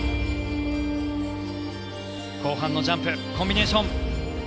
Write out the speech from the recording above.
後半のジャンプコンビネーション。